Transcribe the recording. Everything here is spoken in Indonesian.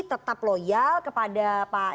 tetap loyal kepada pak